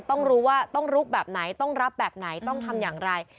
ต้องรู้ว่าต้องลุกแบบไหนต้องรับแบบไหนต้องทำอย่างไร